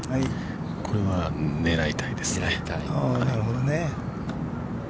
これは狙いたいですね。